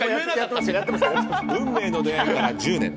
運命の出会いから１０年。